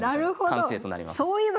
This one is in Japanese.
完成となります。